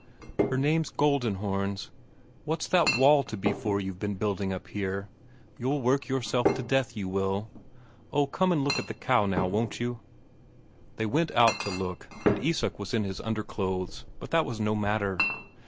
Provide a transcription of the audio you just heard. "Her name's Goldenhorns. What's that wall to be for you've been building up here? You'll work yourself to death, you will. Oh, come and look at the cow, now, won't you?" They went out to look, and Isak was in his underclothes, but that was no matter.